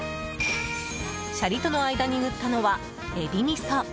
シャリとの間に塗ったのはエビみそ。